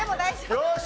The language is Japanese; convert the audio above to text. よし！